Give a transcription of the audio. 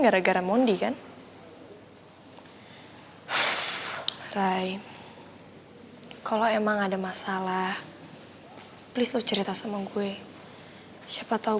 gara gara mondi kan hai kalau emang ada masalah please lo cerita sama gue siapa tahu